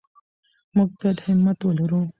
موږ باید همت ولرو.